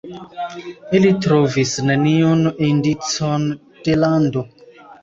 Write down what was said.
Ili trovis neniun indicon de lando.